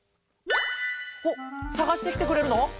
おっさがしてきてくれるの？